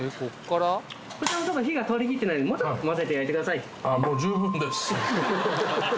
こちら火が通りきってないのでもうちょっと焼いてください